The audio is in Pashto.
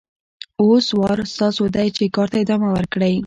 اوس وار ستاسو دی چې کار ته ادامه ورکړئ.